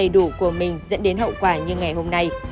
đầy đủ của mình dẫn đến hậu quả như ngày hôm nay